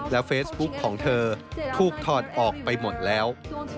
เฟซบุ๊คของเธอถูกถอดออกไปหมดแล้ว